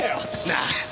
なあ！